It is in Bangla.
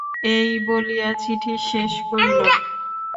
এই বলিয়া চিঠি শেষ করিল।